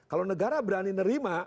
kalau negara berani menerima